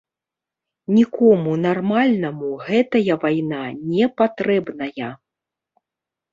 Нікому нармальнаму гэтая вайна не патрэбная.